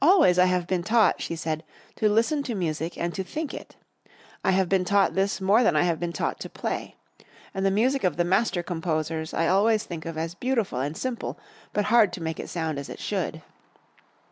"Always I have been taught," she said, "to listen to music and to think it. I have been taught this more than I have been taught to play. And the music of the master composers I always think of as beautiful and simple but hard to make it sound as it should.